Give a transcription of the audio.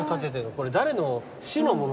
これ誰の。